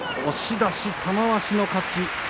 押し出し、玉鷲の勝ち。